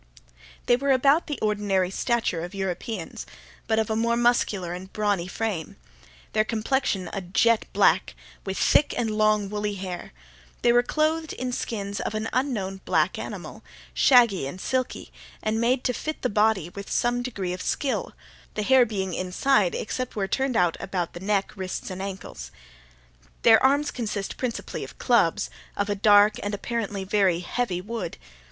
They were about the ordinary stature of Europeans, but of a more muscular and brawny frame. Their complexion a jet black, with thick and long woolly hair. They were clothed in skins of an unknown black animal, shaggy and silky, and made to fit the body with some degree of skill, the hair being inside, except where turned out about the neck, wrists, and ankles. Their arms consisted principally of clubs, of a dark, and apparently very heavy wood.